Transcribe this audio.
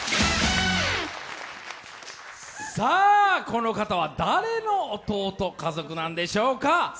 この方は、誰の弟、家族なんでしょうか。